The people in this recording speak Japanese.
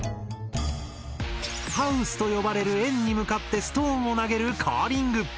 ハウスと呼ばれる円に向かってストーンを投げるカーリング。